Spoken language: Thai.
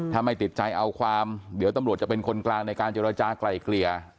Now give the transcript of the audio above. ถ้าไม่ติดใจเอาความเดี๋ยวตำรวจจะเป็นคนกลางในการเจรจากลายเกลี่ย